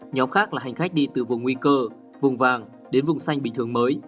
nhóm khác là hành khách đi từ vùng nguy cơ vùng vàng đến vùng xanh bình thường mới